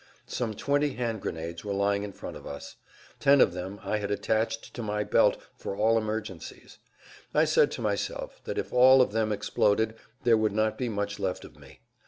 Some twenty hand grenades were lying in front of us. Ten of them I had attached to my belt[Pg 175] for all emergencies. I said to myself that if all of them exploded there would not be much left of me.